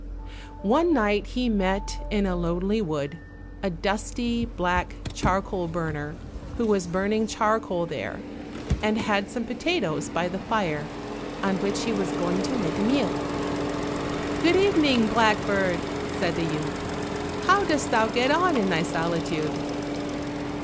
One night he met, in a lonely wood, a dusty, black charcoal burner, who was burning charcoal there, and had some potatoes by the fire, on which he was going to make a meal. "Good evening, blackbird!" said the youth. "How dost thou get on in thy solitude?"